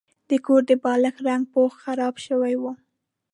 د کور د بالښت رنګه پوښ خراب شوی و.